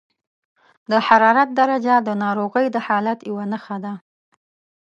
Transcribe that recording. د حرارت درجه د ناروغۍ د حالت یوه نښه ده.